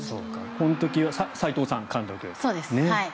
この時は斉藤さんが監督。